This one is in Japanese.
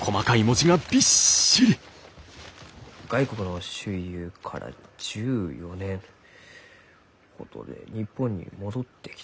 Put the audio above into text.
外国の周遊から１４年日本に戻ってきたと。